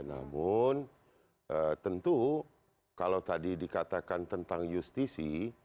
namun tentu kalau tadi dikatakan tentang justisi